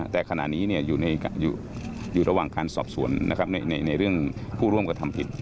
แต่ขณะนี้อยู่ระหว่างการสอบสวนในเรื่องผู้ร่วมกระทำผิด